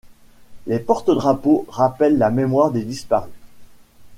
Les porte-drapeaux rappellent la mémoire des disparus.